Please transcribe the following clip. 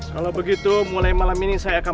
kalau begitu mulai malam ini saya akan